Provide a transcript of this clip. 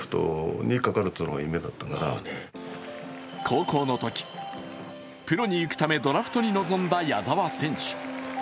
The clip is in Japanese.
高校のとき、プロに行くためドラフトに臨んだ矢澤選手。